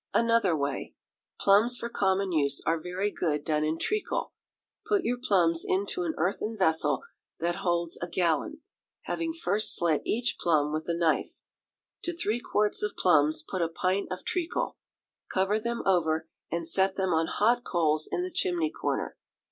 Another Way. Plums for common use are very good done in treacle. Put your plums into an earthen vessel that holds a gallon, having first slit each plum with a knife. To three quarts of plums put a pint of treacle. Cover them over, and set them on hot coals in the chimney corner.